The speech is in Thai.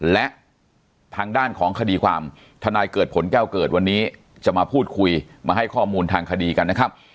และทางด้านของคดีความทนายเกิดผลแก้วเกิดวันนี้จะมาพูดคุยมาให้ข้อมูลทางคดีกันนะครับ